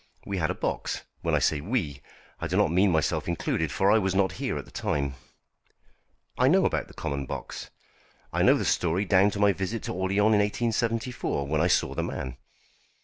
We had a box. When I say we, I do not mean myself included, for I was not here at the time." "I know about the common box. I know the story down to my visit to Orléans in 1874, when I saw the man."